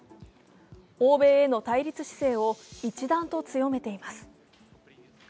欧米への対立姿勢を一段と強めています。